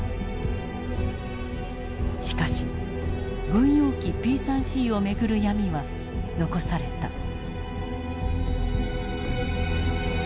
しかし軍用機Ｐ３Ｃを巡る闇は残された。